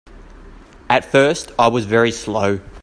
At first I was very slow.